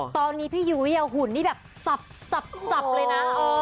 ตอนนี้พี่ยุ้ยหุ่นนี่แบบสับเลยนะ